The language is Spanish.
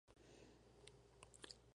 Consta de una única altura, la planta baja.